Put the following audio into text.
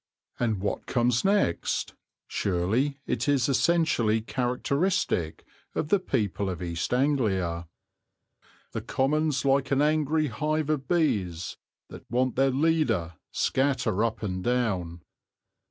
And what comes next? Surely it is essentially characteristic of the people of East Anglia: The Commons, like an angry hive of bees, That want their leader, scatter up and down.